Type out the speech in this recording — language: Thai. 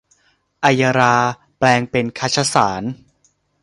ไอยราแปลงเป็นคชสาร